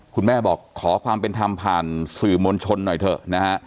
คุณแม่บอกขอความเป็นธรรมผ่านสื่อมวลชนหน่อยเถอะนะฮะ